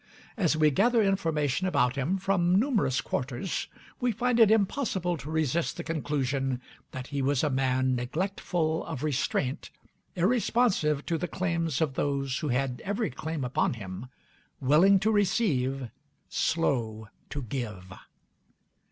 As we gather information about him from numerous quarters, we find it impossible to resist the conclusion that he was a man neglectful of restraint, irresponsive to the claims of those who had every claim upon him, willing to receive, slow to give.